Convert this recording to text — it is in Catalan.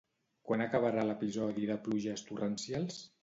Quan acabarà l'episodi de pluges torrencials?